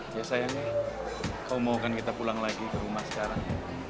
ya sayang nih kau mau kan kita pulang lagi ke rumah sekarang